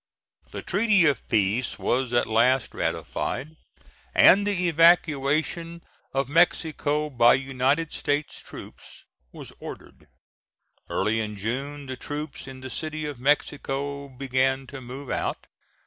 The treaty of peace was at last ratified, and the evacuation of Mexico by United States troops was ordered. Early in June the troops in the City of Mexico began to move out.